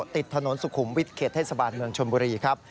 ติดถนนสุขุมวิทย์เขตเทศบาลเมืองชนบุรีครับ